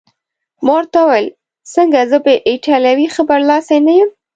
ما ورته وویل: څنګه، زه پر ایټالوي ښه برلاسی نه یم؟